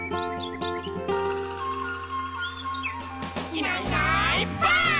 「いないいないばあっ！」